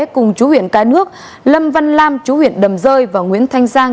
cùng chú huyện cái nước lâm văn lam chú huyện đầm rơi và nguyễn thanh giang